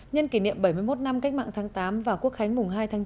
nhân kỷ niệm bảy mươi một năm cách mạng tháng tám và quốc khánh mùng hai tháng chín